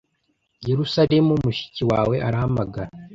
Yerusalemu mushiki wawe arahamagara